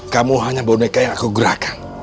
kamu hanya boneka yang aku gerakan